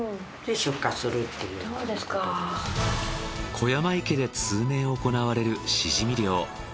湖山池で通年行われるシジミ漁。